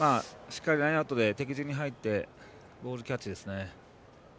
しっかりラインアウトで敵陣に入ってボールキャッチですね。